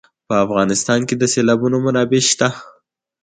په افغانستان کې د سیلابونه منابع شته.